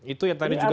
itu yang tadi juga